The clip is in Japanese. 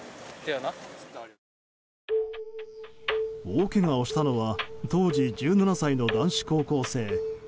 大けがをしたのは当時１７歳の男子高校生。